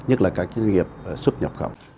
nhất là các doanh nghiệp xuất nhập khẩu